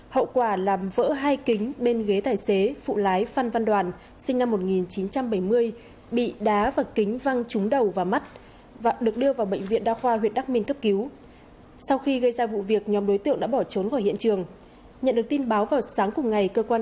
hậu quả làm vỡ hai kính bên ghế thải xế phụ lái phan văn đoàn sinh năm một nghìn chín trăm bảy mươi bị đá và kính văng trúng